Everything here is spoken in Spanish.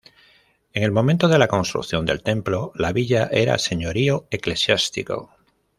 En el momento de la construcción del templo la villa era señorío eclesiástico.